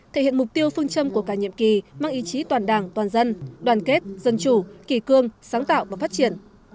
thể hiện mục tiêu phương châm của cả nhiệm kỳ mang ý chí toàn đảng toàn dân đoàn kết dân chủ kỳ cương sáng tạo và phát triển